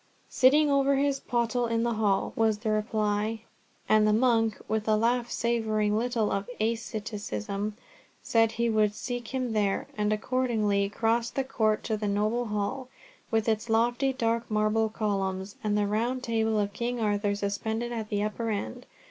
"Sitting over his pottle in the Hall," was the reply, and the monk, with a laugh savouring little of asceticism, said he would seek him there, and accordingly crossed the court to the noble Hall, with its lofty dark marble columns, and the Round Table of King Arthur suspended at the upper end.